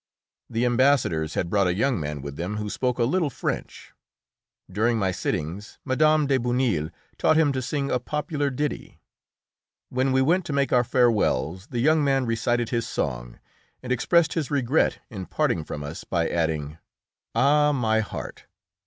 The ambassadors had brought a young man with them who spoke a little French. During my sittings Mme. de Bonneuil taught him to sing a popular ditty. When we went to make our farewells the young man recited his song, and expressed his regret in parting from us by adding: "Ah! my heart!